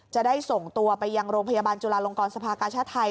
จะได้ส่งตัวไปยังโรงพยาบาลจุลาลงกรสภากาชาติไทย